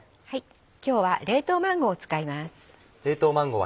今日は冷凍マンゴーを使います。